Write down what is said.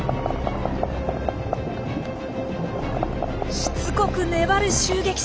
しつこく粘る襲撃者。